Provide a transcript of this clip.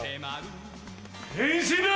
変身だ！